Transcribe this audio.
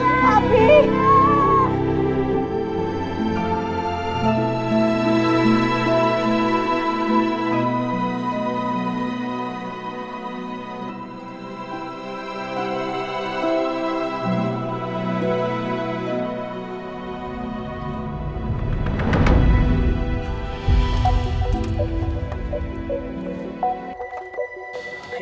aku mau ke rumah